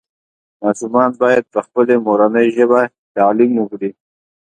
ماشومان باید پخپلې مورنۍ ژبې تعلیم وکړي